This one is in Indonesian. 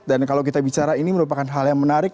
dan kalau kita bicara ini merupakan hal yang menarik